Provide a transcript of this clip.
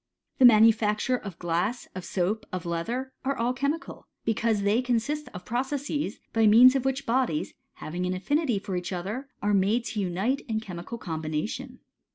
The manufacture of glass, of soap, of leather, are all chemical, because they consist of processes, by means of which bodies, having an affinity for each other, are made to unite in chemical combination.